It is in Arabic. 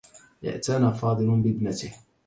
اعتنى فاضل بابنته.